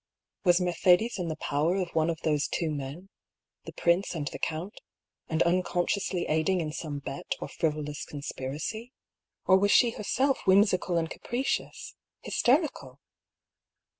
Was Mercedes in the power of one of those two men — the prince and the count, — and unconsciously aiding in some bet or friv olous conspiracy? Or was she herself whimsical and capricious —" hysterical